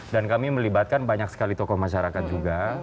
dan kami melibatkan banyak sekali tokoh masyarakat juga